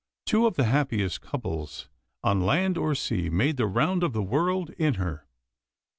Two of the happiest couples on land or sea made the round of the world in her.